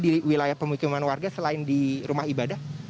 di wilayah pemukiman warga selain di rumah ibadah